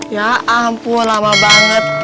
ya ampun lama banget